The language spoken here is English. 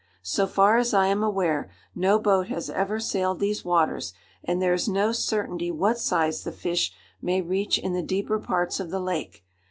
So far as I am aware, no boat has ever sailed these waters, and there is no certainty what size the fish may reach in the deeper parts of the lake.